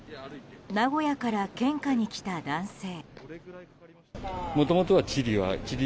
名古屋から献花に来た男性。